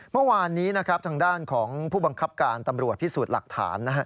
เมื่อวานนี้นะครับทางด้านของผู้บังคับการตำรวจพิสูจน์หลักฐานนะฮะ